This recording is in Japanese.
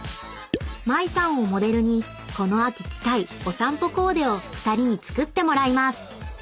［麻衣さんをモデルにこの秋着たいお散歩コーデを２人に作ってもらいます］